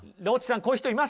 こういう人います？